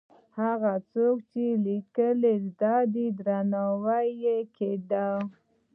هغه څوک چې لیکل یې زده وو، درناوی یې کېده.